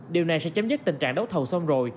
điều này sẽ chấm dứt tình trạng đấu thầu xong rồi